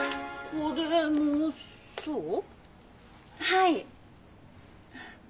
はい。